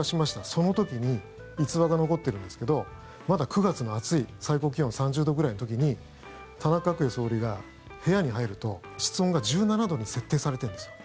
その時に逸話が残ってるんですけどまだ９月の暑い最高気温３０度ぐらいの時に田中角栄総理が部屋に入ると室温が１７度に設定されてるんですよ。